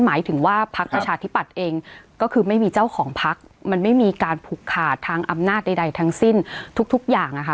หมายถึงว่าพักประชาธิปัตย์เองก็คือไม่มีเจ้าของพักมันไม่มีการผูกขาดทางอำนาจใดทั้งสิ้นทุกอย่างนะคะ